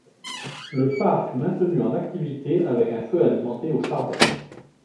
Le phare fut maintenu en activité avec un feu alimenté au charbon.